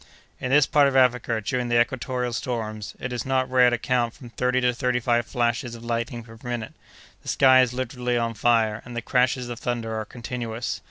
In this part of Africa, during the equatorial storms, it is not rare to count from thirty to thirty five flashes of lightning per minute. The sky is literally on fire, and the crashes of thunder are continuous.